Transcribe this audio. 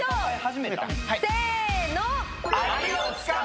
せの！